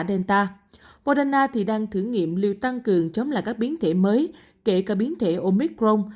delta moderna thì đang thử nghiệm lưu tăng cường chống lại các biến thể mới kể cả biến thể omicron